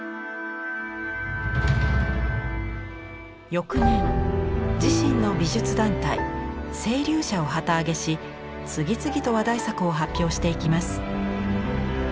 翌年自身の美術団体「青龍社」を旗揚げし次々と話題作を発表していきます。